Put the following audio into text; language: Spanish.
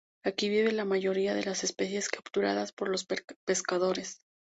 Aquí viven la mayoría de las especies capturadas por los pescadores.